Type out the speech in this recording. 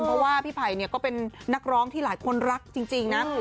เพราะว่าพี่ไผ่เนี่ยก็เป็นนักร้องที่หลายคนรักจริงนะ